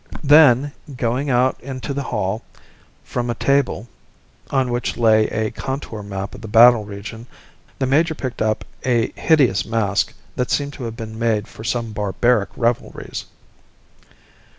Then, going out into the hall, from a table on which lay a contour map of the battle region, the major picked up a hideous mask that seemed to have been made for some barbaric revelries.